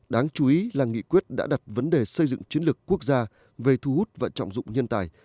đáng chú ý là nghị quyết đã đặt vấn đề xây dựng chiến lược quốc gia về thu hút và trọng dụng nhân tài